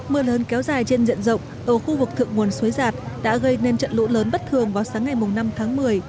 mưa lớn kéo dài trên diện rộng ở khu vực thượng nguồn suối giạt đã gây nên trận lũ lớn bất thường vào sáng ngày năm tháng một mươi